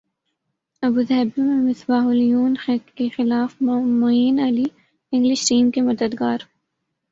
Abu Dhabi میں Misbah eleven کیخلاف Moeen Ali English team کے مددگار